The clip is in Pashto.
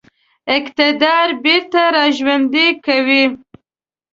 اقتدار بیرته را ژوندی کوي.